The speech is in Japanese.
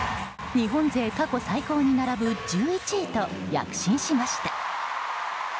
日本勢過去最高に並ぶ１１位と躍進しました。